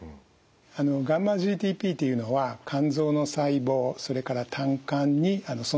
あのγ−ＧＴＰというのは肝臓の細胞それから胆管に存在する酵素の一種です。